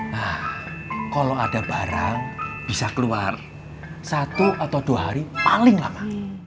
nah kalau ada barang bisa keluar satu atau dua hari paling lama